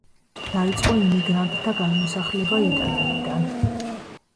დაიწყო იმიგრანტთა გადმოსახლება იტალიიდან.